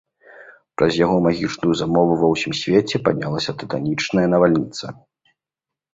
Праз яго магічную замову ва ўсім свеце паднялася тытанічная навальніца.